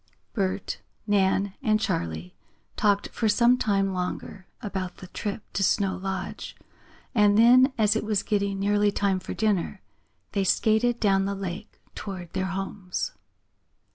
Bert, Nan and Charley talked for some time longer about the trip to Snow Lodge, and then, as it was getting nearly time for dinner, they skated down the lake toward their homes.